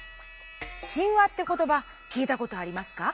「神話」って言葉聞いたことありますか？